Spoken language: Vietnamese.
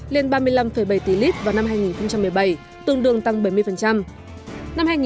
lên ba mươi năm bảy tỷ lít vào năm hai nghìn một mươi bảy tương đương tăng bảy mươi